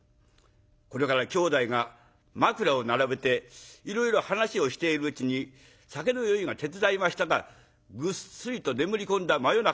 これから兄弟が枕を並べていろいろ話をしているうちに酒の酔いが手伝いましたかぐっすりと眠り込んだ真夜中。